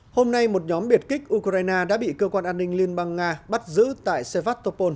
hôm nay một nhóm biệt kích ukraine đã bị cơ quan an ninh liên bang nga bắt giữ tại sevatopol